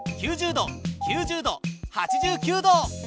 ９０度９０度８９度。